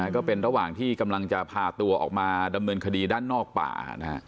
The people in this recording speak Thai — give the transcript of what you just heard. ก็เป็นระหว่างที่กำลังจะพาตัวออกมาดำเนินคดีด้านนอกป่า